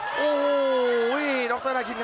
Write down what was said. โอ้โหโอ้โหโอ้โหโอ้โหโอ้โหโอ้โหโอ้โห